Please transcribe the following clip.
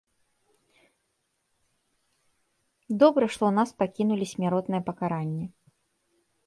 Добра, што ў нас пакіну смяротнае пакаранне.